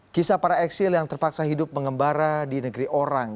kisah para eksil yang terpaksa hidup mengembara di negeri orang